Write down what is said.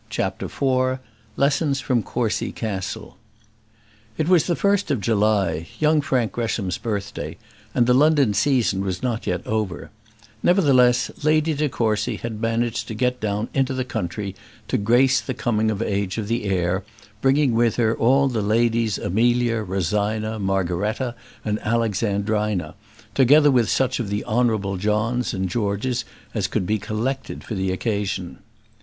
CHAPTER IV Lessons from Courcy Castle It was the first of July, young Frank Gresham's birthday, and the London season was not yet over; nevertheless, Lady de Courcy had managed to get down into the country to grace the coming of age of the heir, bringing with her all the Ladies Amelia, Rosina, Margaretta, and Alexandrina, together with such of the Honourable Johns and Georges as could be collected for the occasion.